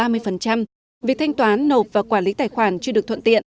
việc thanh toán nộp và quản lý tài khoản chưa được thuận tiện